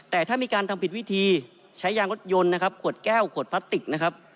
แต่ถ้ามีการทำผิดวิธีใช้ยางรถยนต์นะครับขวดแก้วขวดพลาสติกนะครับ